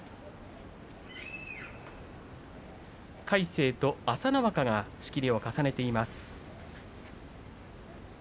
魁聖と朝乃若が仕切りを重ねています。